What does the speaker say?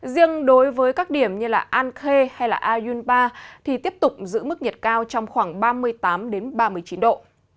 riêng đối với các điểm như an khê hay ayunpa thì tiếp tục giữ mức nhiệt cao trong khoảng ba mươi tám ba mươi chín độ